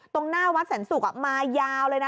ตรงหน้าวัดแสนศุกร์มายาวเลยนะ